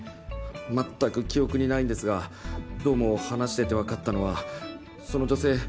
全く記憶にないんですがどうも話してて分かったのはその女性